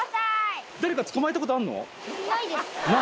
ない。